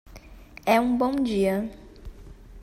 É um bom dia.